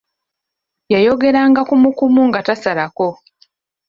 Yayogeranga kumu kumu nga tasalako.